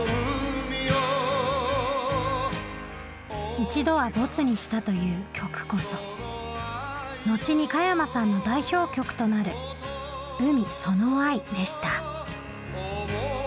一度はボツにしたという曲こそ後に加山さんの代表曲となる「海その愛」でした。